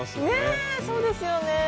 ねえそうですよね。